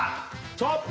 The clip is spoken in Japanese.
ちょっと。